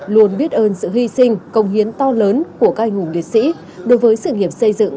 luôn biết ơn sự hy sinh công hiến to lớn